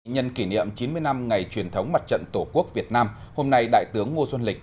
nhân kỷ niệm chín mươi năm ngày truyền thống mặt trận tổ quốc việt nam hôm nay đại tướng ngô xuân lịch